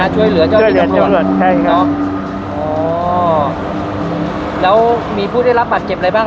ช่วยเหลือเจ้าที่กำหนดใช่ครับอ๋อแล้วมีผู้ได้รับบัตรเจ็บอะไรบ้าง